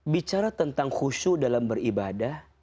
bicara tentang khusyuk dalam beribadah